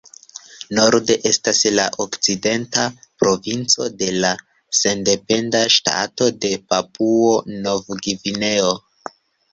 Norde estas la Okcidenta Provinco de la sendependa ŝtato de Papuo-Nov-Gvineo.